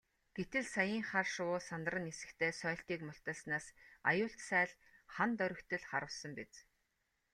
Гэтэл саяын хар шувуу сандран нисэхдээ сойлтыг мулталснаас аюулт сааль хана доргитол харвасан биз.